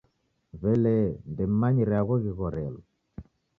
W'ele ndemm'anyire agho ghighorelo